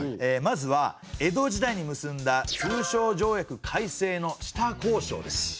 まずは江戸時代に結んだ通商条約改正の下交渉です。